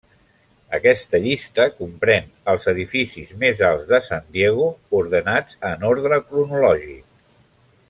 Aquesta llista comprèn als edificis més alts de San Diego ordenats en ordre cronològic.